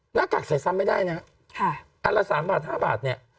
หน้ากากใส่ซ้ำไม่ได้นะฮะอันละ๓บาท๕บาทเนี่ย